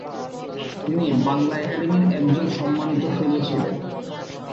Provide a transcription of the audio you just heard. তিনি বাংলা একাডেমির একজন “সন্মানিত ফেলো” ছিলেন।